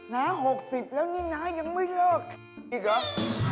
น้า๖๐แล้วนี่น้ายังไม่เลิกอีกเหรอ